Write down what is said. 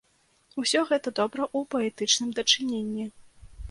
Усё гэта добра ў паэтычным дачыненні.